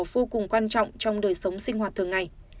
vô cùng quan trọng trong đời sống sinh hoạt thường ngày